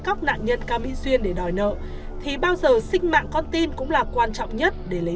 góc nạn nhân ca minh xuyên để đòi nợ thì bao giờ sinh mạng con tin cũng là quan trọng nhất để lấy